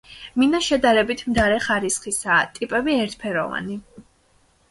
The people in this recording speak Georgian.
მინა შედარებით მდარე ხარისხისაა, ტიპები ერთფეროვანი.